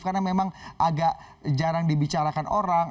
karena memang agak jarang dibicarakan orang